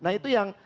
nah itu yang